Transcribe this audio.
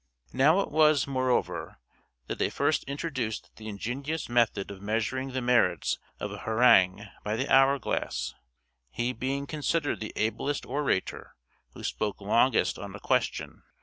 Now it was, moreover, that they first introduced the ingenious method of measuring the merits of an harangue by the hour glass, he being considered the ablest orator who spoke longest on a question.